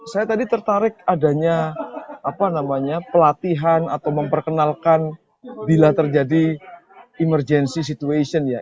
saya tadi tertarik adanya pelatihan atau memperkenalkan bila terjadi emergency situation ya